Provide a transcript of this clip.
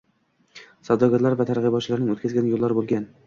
Savdogarlar va targʻibotchilarning oʻtkazgan yoʻllari bo'lgan.